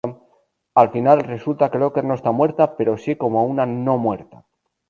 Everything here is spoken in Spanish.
Al final, resulta que Looker no está muerta, pero si como una "no-muerta".